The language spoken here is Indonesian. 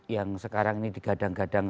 yang sekarang ini digadang gadang